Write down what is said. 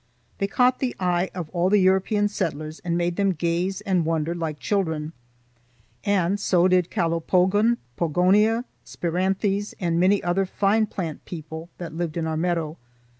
They caught the eye of all the European settlers and made them gaze and wonder like children. And so did calopogon, pogonia, spiranthes, and many other fine plant people that lived in our meadow.